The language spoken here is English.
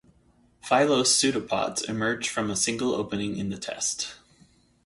Filose pseudopods emerge from a single opening in the test.